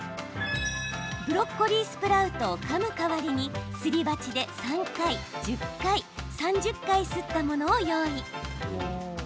ブロッコリースプラウトをかむ代わりにすり鉢で３回、１０回、３０回すったものを用意。